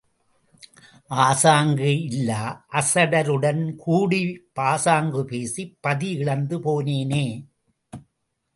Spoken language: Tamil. ஆசாரம் இல்லா அசடருடன் கூடிப் பாசாங்கு பேசிப் பதி இழந்து போனேனே!